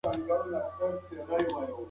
ایا ساعت له معمول څخه ډېر تېز چلیږي؟